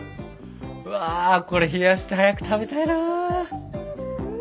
うわこれ冷やして早く食べたいな。